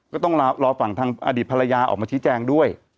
ก็ต้องรอฝั่งทางอดีตภรรยาออกมาชี้แจงด้วย